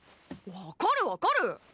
わかるわかる。